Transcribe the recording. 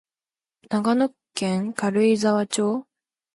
長野県軽井沢町